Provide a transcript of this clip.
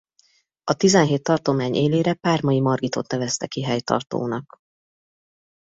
A Tizenhét Tartomány élére Pármai Margitot nevezte ki helytartónak.